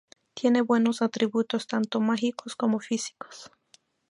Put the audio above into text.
Tiene buenos atributos tanto mágicos como físicos.